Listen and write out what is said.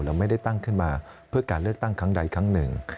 เราไม่ได้ตั้งขึ้นมาเพื่อการเลือกตั้งครั้งใดครั้งหนึ่ง